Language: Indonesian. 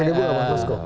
sudah dibuka mas fasko